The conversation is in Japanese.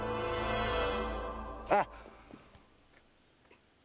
「あっ！」